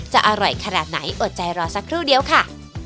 อร่อยขนาดไหนอดใจรอสักครู่เดียวค่ะ